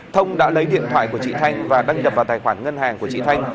thông đã lấy điện thoại của chị thanh và đăng nhập vào tài khoản ngân hàng của chị thanh